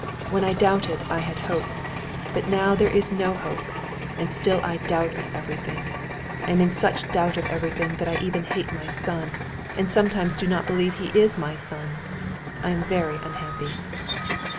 When I doubted, I had hope; but now there is no hope, and still I doubt of everything. I am in such doubt of everything that I even hate my son, and sometimes do not believe he is my son. I am very unhappy."